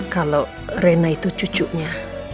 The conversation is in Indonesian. kalau rena itu cucunya